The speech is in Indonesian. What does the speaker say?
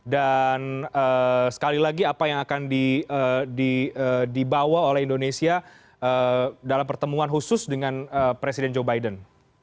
dan sekali lagi apa yang akan dibawa oleh indonesia dalam pertemuan khusus dengan presiden joe biden